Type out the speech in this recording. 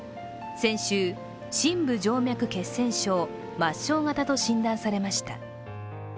先週、深部静脈血栓症末梢型と診断されました。